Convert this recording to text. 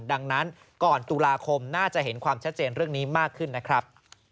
ดังนั้นก่อนตุลาคมน่าจะเห็นความชัดเจนเรื่องนี้มากขึ้นนะครับ